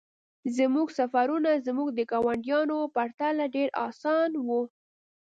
زموږ سفرونه زموږ د ګاونډیانو په پرتله ډیر اسانه وو